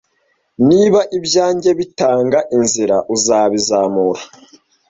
niba ibyanjye bitanga inzira uzabizamura